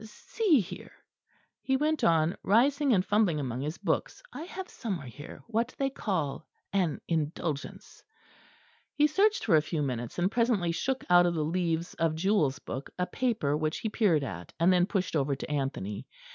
See here," he went on, rising, and fumbling among his books, "I have somewhere here what they call an Indulgence." He searched for a few minutes, and presently shook out of the leaves of Jewell's book a paper which he peered at, and then pushed over to Anthony.